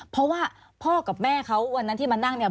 เพราะว่าพ่อกับแม่เขาวันนั้นที่มานั่งเนี่ย